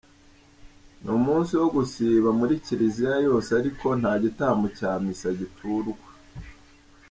Ni umunsi wo gusiba muri Kiliziya yose ariko nta gitambo cya Misa giturwa.